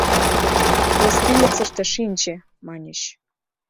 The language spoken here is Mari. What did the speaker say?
«Гостиницыште шинче! — маньыч.